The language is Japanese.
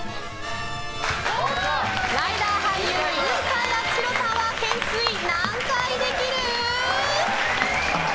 ライダー俳優・犬飼貴丈さんは懸垂何回できる？